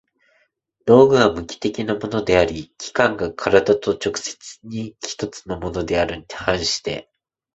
道具は無機的なものであり、器宮が身体と直接に一つのものであるに反して